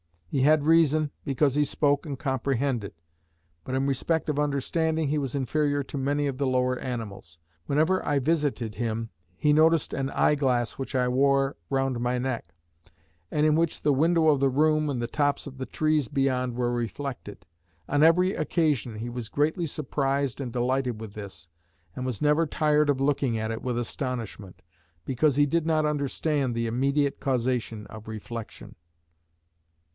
He had reason, because he spoke and comprehended, but in respect of understanding he was inferior to many of the lower animals. Whenever I visited him he noticed an eye glass which I wore round my neck, and in which the window of the room and the tops of the trees beyond were reflected: on every occasion he was greatly surprised and delighted with this, and was never tired of looking at it with astonishment, because he did not understand the immediate causation of reflection.